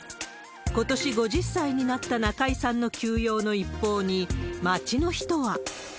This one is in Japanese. ことし５０歳になった中居さんの休養の一報に、街の人は。